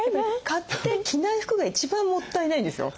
買って着ない服が一番もったいないんですよ。